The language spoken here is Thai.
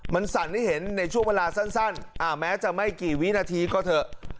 มันสั่นให้เห็นในช่วงเวลาสั้นแม้จะไม่กี่วินาทีก็เถอะ